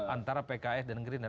antara pks dan gerindra